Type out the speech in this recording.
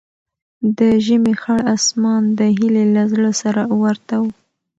د ژمي خړ اسمان د هیلې له زړه سره ورته و.